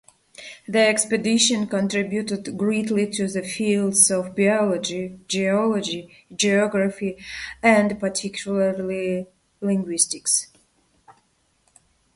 The expedition contributed greatly to the fields of biology, geology, geography, and particularly linguistics.